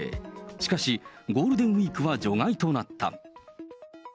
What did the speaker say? しかし、ゴールデンウィークは除外となった。